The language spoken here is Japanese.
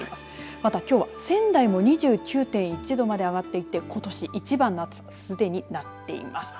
また、きょうは仙台も２９．１度まで上がっていてことし一番の暑さにすでになっています。